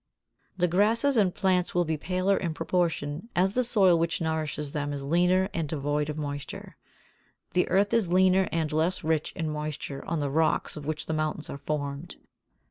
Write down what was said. The grasses and plants will be paler in proportion as the soil which nourishes them is leaner and devoid of moisture; the earth is leaner and less rich in moisture on the rocks of which the mountains are formed.